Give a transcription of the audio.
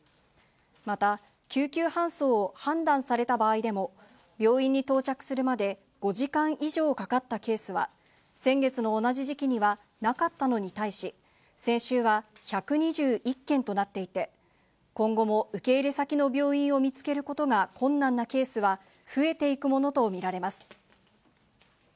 また、救急搬送を判断された場合でも、病院に到着するまで５時間以上かかったケースは、先月の同じ時期にはなかったのに対し、先週は１２１件となっていて、今後も受け入れ先の病院を見つけることが困難なケースは、増えていくものと見られます。